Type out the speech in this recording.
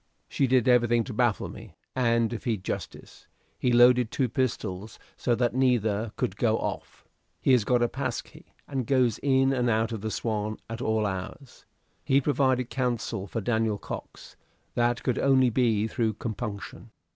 She did everything to baffle me and defeat justice he loaded two pistols so that neither could go off. He has got a pass key, and goes in and out of the 'Swan' at all hours. He provided counsel for Daniel Cox. That could only be through compunction.